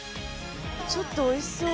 ちょっと美味しそう。